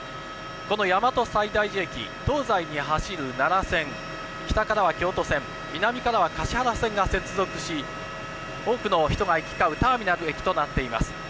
この大和西大寺駅、東西に走る奈良線、北からは京都線、南からは橿原線が接続し、多くの人が行き交うターミナル駅となっています。